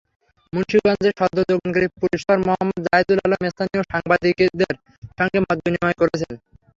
মুন্সিগঞ্জে সদ্য যোগদানকারী police super Mohammad Zayedul Alam স্থানীয় সাংবাদিকদের সঙ্গে মতবিনিময় করেছেন।